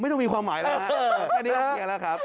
ไม่ต้องมีความหมายแล้วนะ